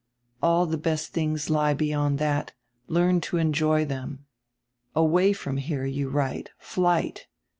All the best tilings lie beyond that. Learn to enjoy them." '"Away fronr here,' you write, 'flight.'